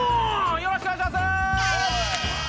よろしくお願いします。